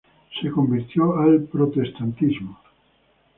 Se convirtió al Protestantismo.